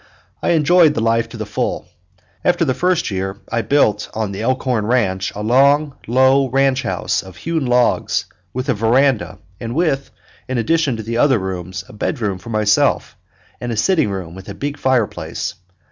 I enjoyed the life to the full. After the first year I built on the Elkhorn ranch a long, low ranch house of hewn logs, with a veranda, and with, in addition to the other rooms, a bedroom for myself, and a sitting room with a big fire place.